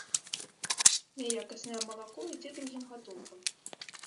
Няякаснае малако ідзе другім гатункам.